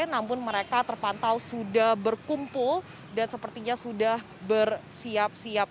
namun mereka terpantau sudah berkumpul dan sepertinya sudah bersiap siap